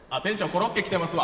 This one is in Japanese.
コロッケ来てますわ。